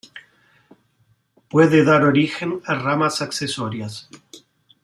Puede dar origen a ramas accesorias.